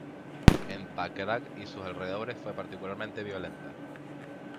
En Pakrac y sus alrededores fue particularmente violenta.